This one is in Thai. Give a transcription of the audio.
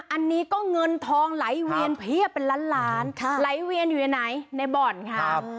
อันนี้ก็เงินทองไหลเวียนเป็นล้านล้านไหลเวียนอยู่ไหนในบอร์นครับ